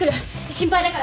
心配だから。